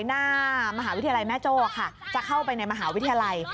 หน้ามหาวิทยาลัยแม่โจ้ค่ะจะเข้าไปในมหาวิทยาลัย